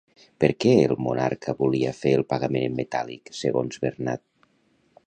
Per què el monarca volia fer el pagament en metàl·lic, segons Bernad?